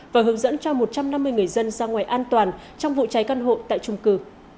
và hướng dẫn cho một trăm năm mươi người dân ra ngoài an toàn trong vụ cháy căn hộ tại trung cư